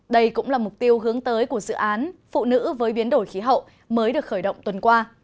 đây cũng là mục tiêu hướng tới của dự án phụ nữ với biến đổi khí hậu mới được khởi động tuần qua